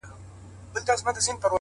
چا ویل چي خدای د انسانانو په رکم نه دی،